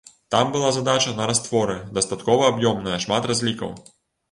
Там была задача на растворы, дастаткова аб'ёмная, шмат разлікаў.